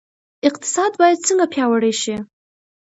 اقتصاد باید څنګه پیاوړی شي؟